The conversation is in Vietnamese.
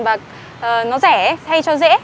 mà nó rẻ hay cho dễ